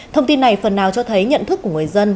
thông tin này phần nào cho thấy nhận thức của người dân